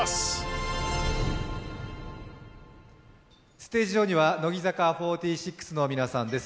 ステージ上には乃木坂４６の皆さんです。